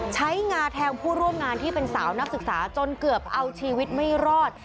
งาแทงผู้ร่วมงานที่เป็นสาวนักศึกษาจนเกือบเอาชีวิตไม่รอด